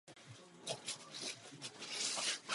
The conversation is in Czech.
Děkuji vám pane úřadující předsedo Rady za upřímnost.